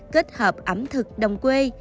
kết hợp ẩm thực đồng quê